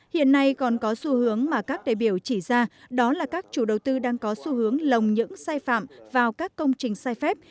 hiện nay còn có xu hướng mà các đại biểu chỉ ra đó là các chủ đầu tư đang có xu hướng lồng những sai phạm vào các công trình sai phép